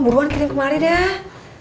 buruan kirim kemari dah